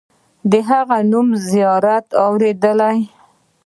د هغه نوم مې زیات اوریدلی